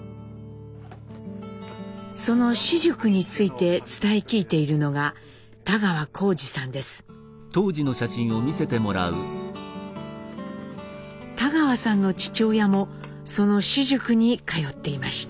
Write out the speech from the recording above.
その私塾について伝え聞いているのが田川さんの父親もその私塾に通っていました。